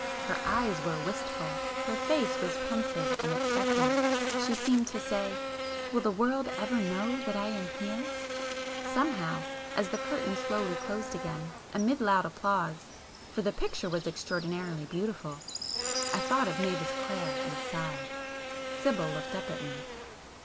Her eyes were wistful,—her face was pensive and expectant; she seemed to say, "Will the world ever know that I am here?" Somehow,—as the curtain slowly closed again, amid loud applause, for the picture was extraordinarily beautiful, I thought of Mavis Clare, and sighed. Sibyl looked up at me.